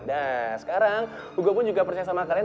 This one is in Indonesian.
nah sekarang gue pun juga percaya sama kalian